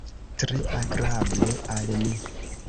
Tre agrable al ni!